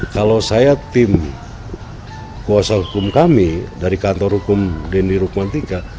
kalau saya tim kuasa hukum kami dari kantor hukum denny rukumantika